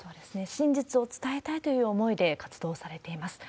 真実を伝えたいという思いで活動されています。